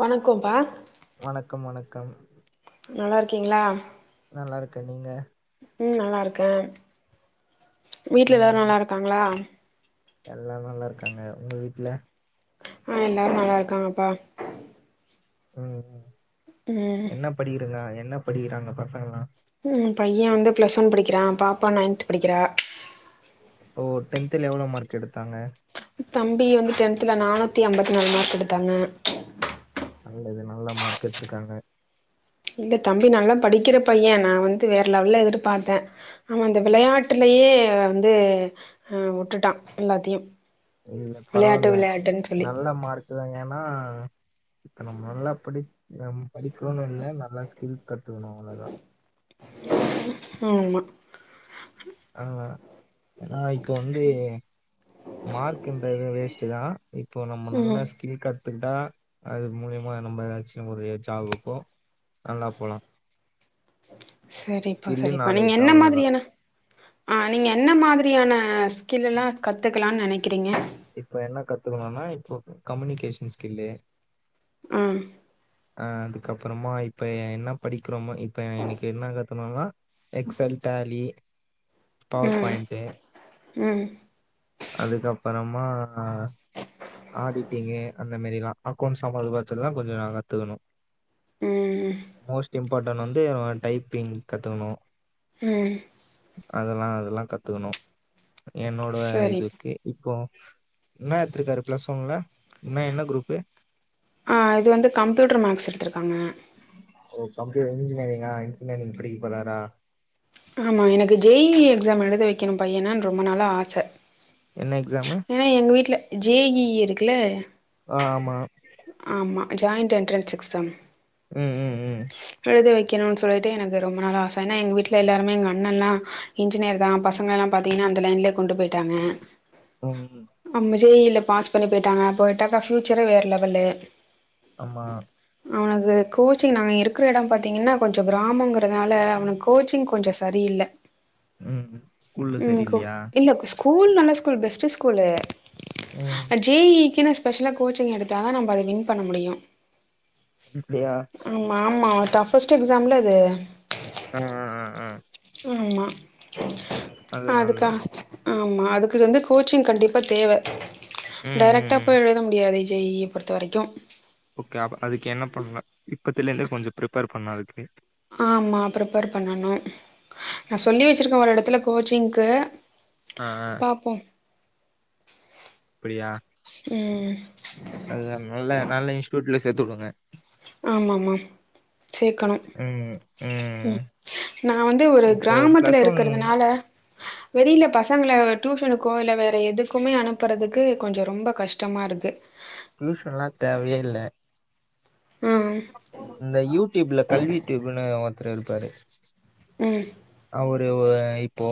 வணக்கோம்ப்பா வணக்கம் வணக்கம் நல்லா இருக்கீங்ளா நல்லாருக்கே நீங்க உம் நல்லாருக்கே வீட்ல எல்லாரு ம் நல்லாருக்காங்ளா எல்லா நல்லா இருக்காங்க உங்க வீட்ல ஆஹ் எல்லாரு நல்லா இருக்காங்கப்பா உம் ம் என்ன படிக்கிறங்க என் என்ன படிகிறாங்க பசங்கல்லா உம் ஏ பைய வந்து பிளஸ் ஒன் படிக்கிறா பாப்பா நைன்த் படிக்கிறா ஓ டென்த்துல எவ்ளோ மார்க் எடுத்தாங்க தம்பி வந்து டென்த்துல நானூத்தி அம்பத்தி நாலு மார்க் எடுத்தாங்க நல்லது நல்லா மார்க் எத்துருக்காங்க இல்ல தம்பி நல்லா படிக்கிற பைய நா வந்து வேற லெவல்ல எதிர்பாத்தே அவ அந்த வெளையாட்டுலேயே அ வந்து அ உட்டுட்டா எல்லாத்தியு இல்ல பரவால்ல நல்ல மார்க்கு தா ஏன்னா இப்ப நம்ம நல்லா படி நம் படிக்கோன்னனு இல்ல நல்லா ஸ்கில் கத்துக்கணு அவ்ளோதா ஆமா ஆனா நா இப்போ வந்து மார்க்ன்ற இது வேஸ்ட்டு தா இப்போ நம்ம ம் நல்ல ஸ்கில் கத் துகுட்டா அது மூலயமா நம்ம ஏதாச்சு ஒரு ஜாபுக்கோ நல்லா போலா சரிப்பா ஸ்கில்லு சரிப்பா நீங்க நாலேஜ் என்ன அவ்வளோதான் மாதிரியான அஹ் நீங்க என்ன மாதிரியான ஸ்கில் எல்லா கத்துக்கலானு நெனைக்கிறீங்க இப்ப என்ன கத்துக்கணுன்னா இப்போ கம்யூனிகேஷன் ஸ்கில்லு அஹ் அஹ் அதுக்கப்புறமா இப்ப என்ன படிக் கிறமோ இப்ப எனக்கு என்ன க- த்துகணுனா எக்ஸல் டேலி பவர் ம் பாயிண்ட்டு ம் அதுக்கப்பபறமா ஆடிட்டிங்கு அந்த மாதிரி எல்லா அக்கவுண்ட்ஸ் சம்மந்தப்பட்டது எல்லா கொஞ்ச கத்துக்கணும் ம் மோஸ்ட் இம்பார்ட்டன்ட் வந்து டைப்பிங் கத்துக்கணு உம் அதெல்லா அதெல்லா கத்துக்கணும் என்னோட சரி இதுக்கு இப்போ என்ன எடுத்துருக்காரு பிளஸ் ஒன்னுல என்ன என்ன குரூப்பு அஹ் இது வந்து கம்ப்யூட்டர் மேக்ஸ் எடுத்துருக்காங்க ஓ கம்ப்யூட்டர் இன்ஜினியரிங்கா இன்ஜினியரிங் படிக்க போராறா ஆமா எனக்கு ஜே இ இ எக்ஸாம் எழுத வைக்கணும் பையனனு ரொம்ப நாளா ஆசை என்ன எக்ஸாமு ஏன்னா எங்க வீட்டுல ஜே இ இ இருக்குல அஹ் ஆமா ஆமா ஜாயிண்ட் எண்ட்ரன்ஸ் எக்ஸாம் உம் உம் உம் எழுத வைக்கணும்னு சொல்லிட்டு எனக்கு ரொம்ப நாளா ஆச ஏன்னா எங்க வீட்டுல எல்லாருமே எங்க அண்ணன் லா இன்ஜினியர் தா பசங்க எல்லாம் பாத்தீங்கன்னா அந்த லைன்லயே கொண்டு போயிட்டாங்க உம் ஆமா ஜே இ இ ல பாஸ் பண்ணி போயிட்டாங்க போயிட்டாக்கா ஃபியூச்சரே வேற லெவல்லு ஆமா அது கோச்சிங் நாங்க இருக்கிற எடம் பார்த்தீங்கன்னா கொஞ்ச கிராமங்கிறதால அவனுக்கு கோச்சிங் கொஞ்ச சரியில்லை உம் ஸ்கூல்ல சரியில்லையா இல்ல ஸ்கூல் நல்ல ஸ் ல் பெஸ்ட் ஸ்கூல்லு ம் ஜே இ இ க்குனு ஸ்பெஷலா கோச்சிங் எடுத்தா தா நம்ம அத வின் பண்ண முடியு இப்பயா ஆமா ஆமா டஃப்ஃபஸ்ட் எக்ஸாம்ல அது அஹ் அஹ் அஹ் அஹ் ஆம்மா அது நல்லா ஆமா அதுக்கு இது வந்து கோச்சிங் கண்டிப்பா தேவ ம் ம் டேரக்ட்டா ம் போய் எழுத முடியாது ஜே இ இ பொறுத்த வரைக்கும் ஓகே அஹ் அதுக்கு என்ன பண்ணலாம் இப்பத்துல இருந்தே கொஞ்சம் பிரிப்பேர் பண்ணும் அதுக்கு ஆம்மா பிரிப்பர் பண்ணணும் நா சொல்லி வெச்சிருக்கேன் ஒரு இடத்துல கோச்சிங்க்கு அ அ பாப்போம் [inaudible] அப்படியா உம் அது நல்ல நல்ல இன்ஸ்டூட்ல சேர்த்து உட்டுரேன் ஆமாம்மா சேர்க்கணும் ம் ம் உம் நான் வந்து ஒரு இப்போ பிளஸ் கிராமத்துல ஒன் இருக்குறதுனால வெளியில பசங்கள டியூஷனுக்கோ இல்ல வேற எதுக்குமே அனுப்புறதுக்கு கொஞ்சம் ரொம்ப கஷ்டமா இருக்கு டியூஷன்லாம் தேவையே இல்ல ம் இந்த யூடியூப்ல கல்வி டியூப்ன்னு [unintelligible] ம் ஒரு இப்போ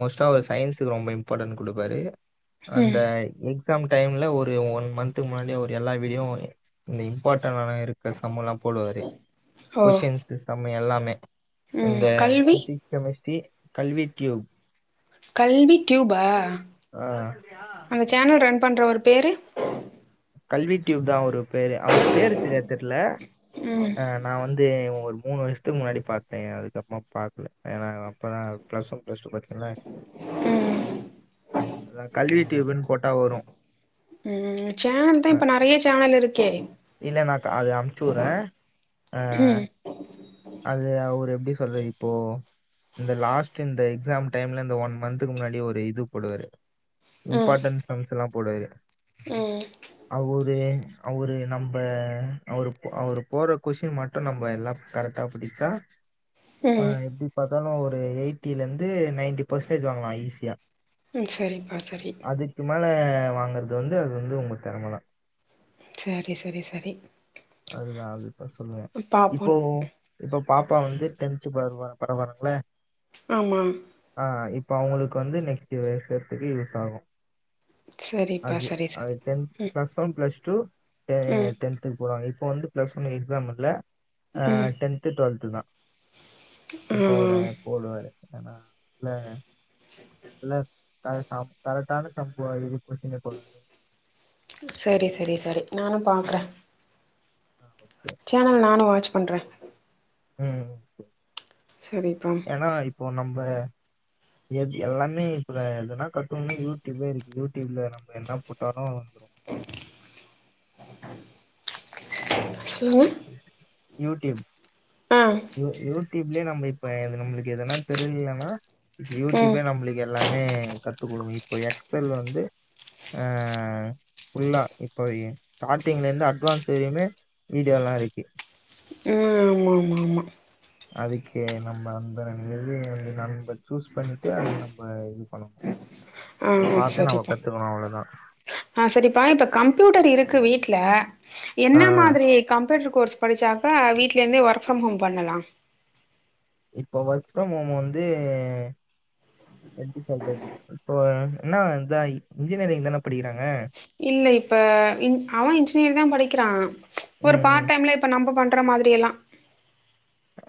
மோஸ்டா சயின்ஸுக்கு ரொம்ப இம்பார்ட்டன் கொடுப்பாரு அந்த ம் க் எஃஸாம்டைம்ல ஒரு ஒன் மந்த்துக்கு முன்னாடி ஒரு எல்லா வீடியும் இந்த இம்பார்டண்ட இருக்க சம்பளா போடுவாரு ஓ கொஸ்டின்ஸ் சம் எல்லாமே ம் இந்த கல்வி சஷி கல்வி டூப் கல்வி டூப்பா ஆஹ், அந்த சேனல் ரெண்டு பண்றவரு பேரு கல்வி டியூப் தான் ஒரு பேரு அவர் பேரு சரியா தெர்ல ம் நான் வந்து ஒர் மூணு வருஷத்துக்கு முன்னாடி பார்த்தேன் அதுக்கப்புறமா பார்கல ஏன்னா அப்பறதான் பிளஸ் ஒன் பிளஸ் டூ பத்தல ம் அதான் கல்வி டூயூப்புன்னு போட்டா வரும் ம் சேனல் தான் ஆஹ், இப்ப நறைய சேனல் இருக்கே இல்ல நான் அது அமுச்சு விறேன் அ அது அப் அவ எப்படி சொல்றரு இப்போ இந்த லாஸ்ட் இந்த எக்ஸாம் டைம்ல இந்த ஒன் மந்த்துக்கு முன்னாடி ஒரு இது போடுவாரு ம் இம்பார்ட்டன்ஸ் சம்ஸ்லா போடுவாரு ம் அவுரு அவரு நம்ப அவரு அவரு போற கொஷிடின் மட்டு நம்ம எல்லா கரக்ட் ட்ட படிச்சா ஆ ம் எப்பிடி ப இருந்தாலு ஒரு எயிட்டில இருந்து நைன்டி பெர்சன்டேஜ் வாங்கலா ஈஸியா ம் சரிப்பா சரி அதுக்கு மேல வாங்கறது வந்து அது வந்து உங்க தெறமதா செரி செரி செரி அதுதான் அது சொல்லுவேன் இப்போ பாப்போன்னு இப்போ இப்ப பாப்பா வந்து டென்துக்கு வருவா பரவரருங்களே ஆமா இப்போ அவங்களுக்கு வந்து நெக்ஸ்டு வர்ஷத்துக்கு யூஸ் ஆகு சரிப்பா அது சரி அது சரி டென்த் ம் பிளஸ் ஒன் பிளஸ் டு ம் டென்துக் போவாங்க இப்ப வந்து பிளஸ் ஒன் எக்ஸாம் இல்ல ஆ ம் டென்த் டென்த்து டுவெல்துதா இப்ப அவரு ம் போடுவாரு அதனால இல்ல கரெக்ட் தா கரெக்டான சம்பவோ [unintelligible] சொல்லருது சரி சரி சரி நானு பாக்குறே ஓகே சேனல் நானு வாச் பண்றே உம் சரிப்பா ஏன்னா இப்போ நம்ப எது எல்லாமே இப்பல எதுனா கட்டணனா யூடியூப்பே இருக்கு யூடியூப்ல நம்ப என்ன போட்டாலு வந்துரு [inaudible] உ யூடியூப் யூடியூப்லயே நம்ம இப்ப இது நம்மளுக்கு எதுனா தெரியலன்னா இப்ப ம் ம் யூடியூபே நம்மளுக்கு எல்லாமே கத்துக்கொடுக்கு இப்ப எக்ஸ்யெல் வந்து ஆ புல்லா இப்ப ஸ்டார்ட்டிங்ல இருந்து அட்வான்ஸ் வரையுமே வீடியோ எல்லா இருக்கு ஆமா ஆமா அதுக்கே நம்ம அந்த ந வ நம்ம சூஸ் பண்ணிட்டு அது நம்ம இது பண்ணணு ஆ அது பாத்து நம்ம சரிப்பா கத்துக்கணு அவ்ளோதா ஆ சரிப்பா இப்ப கம்ப்யூட்டர் இருக் கு வீட்ல என்ன ஆ மாதிரி கம்ப்யூட்டரு கோர்ஸ் படிச்சாக்க வீட்ல இருந்தே ஒர்க் ஃப்ரம் ஹோம் பண்ணலாம் இப்போ ஒர்க் ஃப்ரம் ஹோம் வந்து எப்டி சொல்றது இப்போ என்னான் இன்ஜினியரிங் தான படிக்கிறாங்க இல்ல இப்ப அவன் இன்ஜினியரிங் தா படிக்கிறா ஒரு ம் ம் பார்ட் டைம்ல இப்ப நம்ம பண்ற மாதி டியலா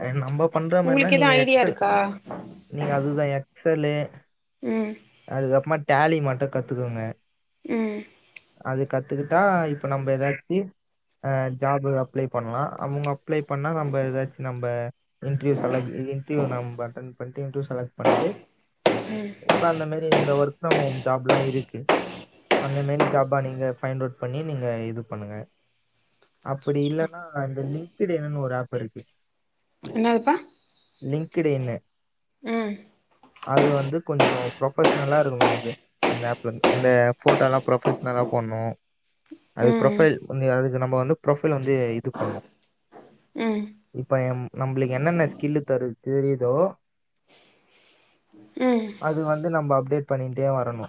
எ நம்ப பண்ற மார்லா நீங்க எக்ஸ் எல் இருக்கா நீங்க அதுதா எ சொல்லு ம் அதுகப்பமாட் டேலி மட்டு கத்துகுங்க உம் அது கத்துகுட்டா இப்ப நம்ப ஏதாச்சி அ ஜாபு அப்ளை பண்லா அவுங்க அப்ளை பண்ணா நம்ப ஏதாச்சி நம்ப இன்ட்ரிவ் செலக் இ இன்ட்ரிவ் நம்ப அடன் பண்ட்டு இன்ட்ரிவ் செலக்ட் பண்ட்டு ம் இப்ப அந்த மாரி ரி இந்த ஒர்க் ஃப்ரம் ஹோம் ஜாப்லா இருக்கு அந்த மாரி ஜாபா நீங்க ஃபைண்ட் அவ்ட் பண்ணி நீங்க இது பண்ணுங்க அப்புடி இல்லனா இந்த லின்க்ட் இன்னுனு ஒரு ஆப்பிருக்கு என்னாதுபா லிங்க்ட் இன்னு அது வந்து கொஞ்சொ ப்ரொஃபஷ்னலாருக்குணு அது அந்த ஆப்ல இந்த ஃபோட்டோலா ப்ரொஃபஷ்னலா போட்ணு அது ம் ப்ரொஃபைல் அதுக்கு நம்ம வந்து ப்ரொஃபைல வந்து இது பண்ணு ம் இப்ப எம் நம்ளுக் என்னென்ன ஸ்கில்லு தரு தெரியுதோ ம் அது வந்து நம்ப அப்டேட் பண்ணிட்டே வரணு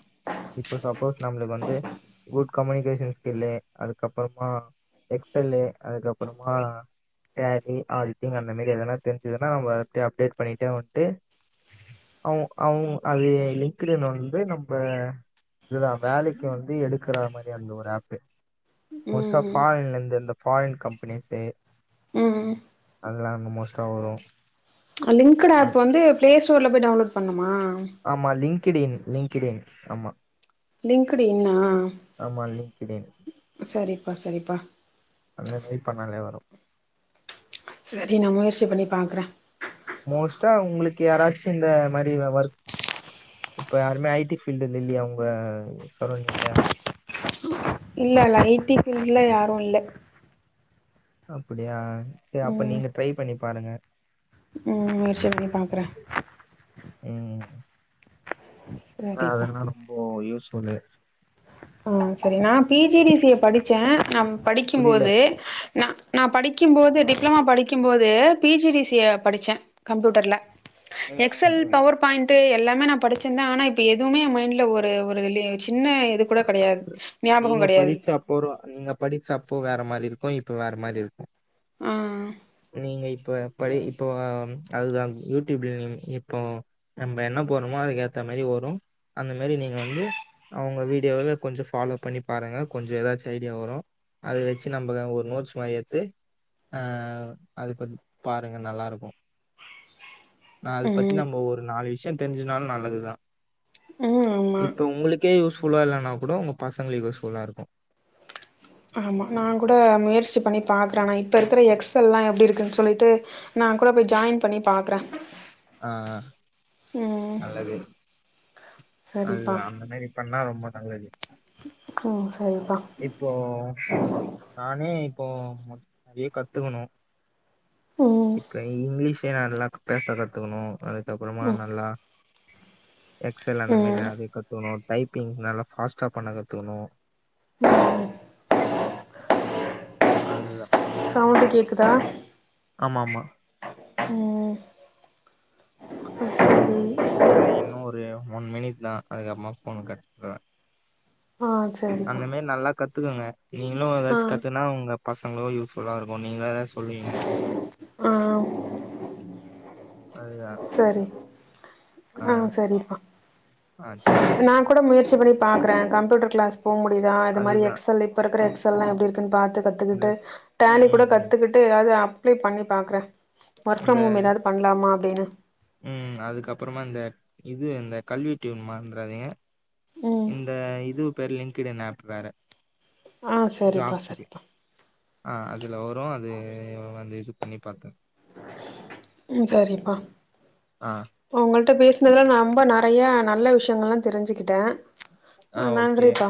இப்ப சப்போஸ் நம்ளுக் வந்து குட் கம்யூனிகேஷன் ஸ்கில்லு அதுக்கப்றொமா எக்ஸல்லு அதுக்கப்றொமா டேலி ஆடிடிங் அந்த மாரி எதனா தெரிஞ்சுதுன்னா நம்ம அப்டே அப்டேட் பண்ணிட்டே வண்ட்டு அவு அவுங் அது லிங்க்டுன் வந்து நம்ப இதுதா வேலைக்கு வந்து எடுக்குற மாரி அந்த ஒரு ஆப்பு மோஸ்ட்டா ம் ஃபாரின்லருந்து அந்த ஃபாரின் கம்பெனிஸு உம் ம் அதலா அங்க மோஸ்டா வரு லின்குடு ஆப் வந்து பிளேஸ் டோர்ல போய் டவுலோட் பண்ணும் மா கிடின் லின்கிடின் ஆமா லின்குடு இன்னா ஆமா லிங்க்டுஇன் செரிப்பா செரிப்பா அந்த மாரி பண்ணாலே வரு சரி நா முயற்சி பண்ணி பாக்றே மோஸ்டா உங்ளுக்கு யாராச்சு இந்த மாரி ஒர் இப்ப யாருமே ஐ டி ஃபீல்ட்ல இல்லையா உங்க சரௌண்டிங்ல இல்லல்ல ஐ டி ஃபீல்ட்ல யாரு இல்ல அப்புடியா சேர் அப்ப நீங்க ட்ரை பண்ணி பாருங்க உம் முயற்சி பண்ணி பாக்றெ ஆ [unintelligible] ரொம்பொ யூஸ் சொல்லு ஆஹ் செரி நா P G D C A படிச்சே நம் புரியல படிக்கிம்போது ந நா படிக்கிம்போது டிப்ளமோ படிக்கிம்போது P G D C A படிச்சே கம்ப்யூட்டர்ல எக்ஸ் ம் எல் ம் பவர் பாயிண் டு எல்லாமே நா படுச்செந்தா ஆனா இப்ப எதுவுமே எ மைண்ட்ல ஒரு ஒரு வெள்ளையாய்ர்ச்சு இனிமே நீங்க படிச்ச அப்பறோ நீங்க படிச்ச அப்போ வேற மாரி இருக் கையெழுத்து வேற மாரி இருக்கு உம் நீங்க இப்ப படி இப்ப அதுதா யூட்யூப்ல இப்ப நம்ப என்ன போட்றமோ அதுக்கேத்த மாரி வரு அந்த மாரி நீங்க வந்து அவுங்க வீட் இப்பவே கொஞ்சோ ஃபாலோ பண்ணி பாருங்க கொஞ்சோ ஏதாச்சு ஐடியா வரோ அத வெச்சு நம்ம ஒரு நோட்ஸ் மாரி எத்து ஆ அத பாருங்க நல்லாருக்கோ ஆ அத பத்தி ம் நம்ம ஒரு நாலு விஷயோ தெரிஞ்சினாலு நல்லதுதா ம் ஆமா இப்ப உங்ளுக்கே யூஸ் புல்லா இல்லன்னா கூட உங்க பசங்களுக்கு யூஸ் ஃபுல்லா இருக்கோ ஆமா நா கூட முயற்சி பண்ணிப் பாக்றனா இப்ப இருக்கிற எக்ஸ் எல்லா எப்டி இருக்குன்னு சொல்லிட்டு நா கூட போய் ஜாயின் பண்ணி பாக்குற ஆ ஆ நல்லது அது அந்த மேரி பண்ணா ரொம் ம்ப நல்லது ஹோ இப்போ நானே இப்போ மொத் நறிய கத்துக்கணோ ம் இப்ப இங்கிலீஷ் ஏனா ம் ம் அதுதா அவன்ட கேக்குதா ஆமா மா ம் சரி அதா இன்னோரு ஒன் மினிட் தா அதுக்கப்றமா ஃபோன கட்பன்னுவ ஆ சரிப்பா அந்த மேரி நல்லா கத்துக்கங்க நீங்களு ஆ ஏதாச்சு கத்துனா உங்க பசங்களு யூஸ் புல்லா இருக்கோ நீங்களா ஏதாச் சொல்வீங்க ஆ அதுதா சரி ஆ சரிங்ப்பா ஆ சேரி நா கூட முயற்சி பண்ணி பாக்குற கம்ப்யூட்டர் கிளாஸ் போ முடியுதா அது மாரி அதுதா எக்ஸ் எல் இப்ப இர்க்குற எக்ஸ் எல்லா எப்டி இருக்குனு பாத் இந்த கத்துகிட்டு ம் டேலி கூட ம் ம் கத்துகிட்டு எதாவது அப் அப்ளை பண்ணி பாக்ற ஒர்க் இந்த ஃபரம் ஹோம் ஏதாவது பண்லாமா அப்டினு ம் அதுக்கப்றமா இந்த இது இந்த கல்வி டியூன்மறந்ராதீங்க ம் இந்த இது பேரு லிங்க்டு இன் ஆப் வேற ஆ சரிப்பா ஜாப்க்கு சரிப்பா ஆ அதுல வரு அது வந்து இது பண்ணி பாத்த ம் சரிபா ஆ அவங்கள்ட பேசினதுல நா நொம்ப நா நெறையா நல்ல விஷ்யங்கள்லா தெரிஞ்சுக்கிட்டே ஆ ஆஹ் ஓகே நன்றிப்பா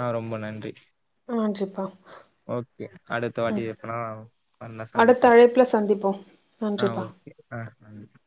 ஆஹ் ரொம்ப நன்றி ஆஹ் ஓகே அடுத்த வாட்டி எப்பனா ஒன்னா சந்திப்போ அடுத்த அழைப்புல சந்திப்போம் ஆஹ் நன்றிப்பா ஓகே ஆஹ்